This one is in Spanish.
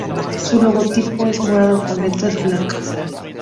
Su logotipo es morado con letras blancas.